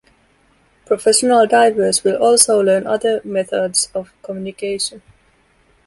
Professional divers will also learn other methods of communication.